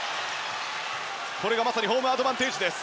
これがまさにホームアドバンテージです。